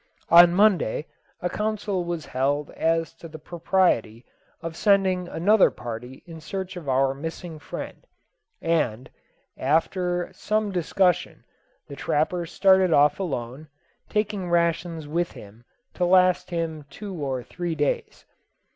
On Monday, a council was held as to the propriety of sending another party in search of our missing friend; and, after some discussion, the trapper started off alone, taking rations with him to last him two or three days.